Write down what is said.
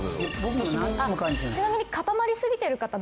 ちなみに。